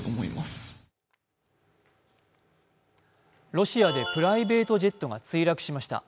ロシアでプライベートジェットが墜落しました。